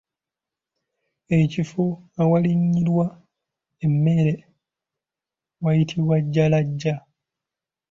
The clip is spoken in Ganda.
Ekifo awalinnyirwa emmeere wayitibwa Jalaja.